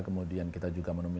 kemudian kita juga menemukan